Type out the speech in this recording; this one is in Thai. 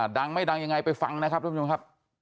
ดังไม่ดังยังไงไปฟังนะครับทุกผู้ชมครับ